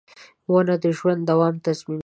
• ونه د ژوند دوام تضمینوي.